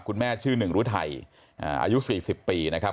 คุณแม่ชื่อหนึ่งรู้ไทยอายุสี่สิบปีนะครับ